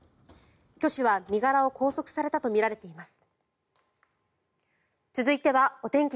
キョ氏は、身柄を拘束されたとみられています。